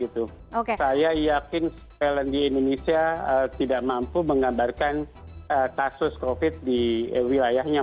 saya yakin surveillance di indonesia tidak mampu menggambarkan kasus covid di wilayahnya